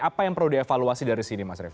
apa yang perlu dievaluasi dari sini mas revo